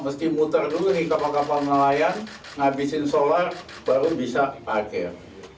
mesti muter dulu nih kapal kapal nelayan ngabisin solar baru bisa parkir